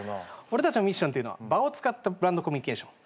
俺たちのミッションというのは場を使ったブランドコミュニケーション。